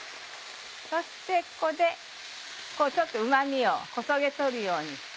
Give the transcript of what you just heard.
そしてここでうま味をこそげ取るようにして。